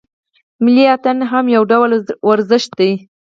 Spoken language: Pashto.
ملي اتڼ هم یو ډول ورزش دی.